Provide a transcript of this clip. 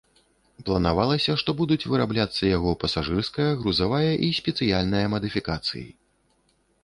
Планавалася, што будуць вырабляцца яго пасажырская, грузавая і спецыяльная мадыфікацыі.